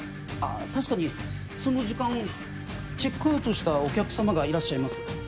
確かにその時間チェックアウトしたお客様がいらっしゃいます。